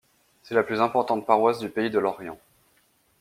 C'est la plus importante paroisse du Pays de Lorient.